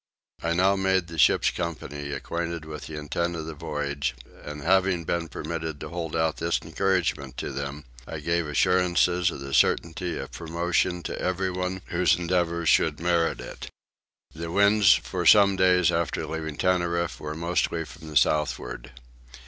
I now made the ship's company acquainted with the intent of the voyage and, having been permitted to hold out this encouragement to them, I gave assurances of the certainty of promotion to everyone whose endeavours should merit it. The winds for some days after leaving Tenerife were mostly from the southward.